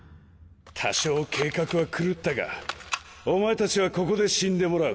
多少計画は狂ったがお前たちはここで死んでもらう。